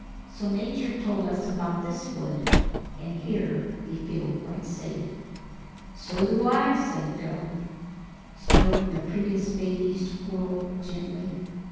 So Nature told us about this wood, and here we feel quite safe." "So do I," said Phil, stroking the prettiest baby Squirrel gently.